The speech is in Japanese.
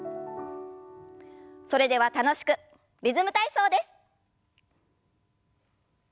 それでは楽しくリズム体操です。